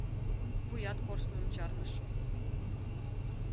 Вуят корштымым чарныш.